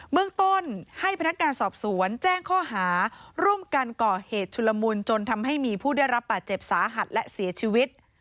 เมืองต้นให้พนักงานสอบสวนแจ้งข้อหาร่วมกันก่อเหตุชุลมุนจนทำให้มีผู้ได้รับบาดเจ็บสาหัสและเสียชีวิต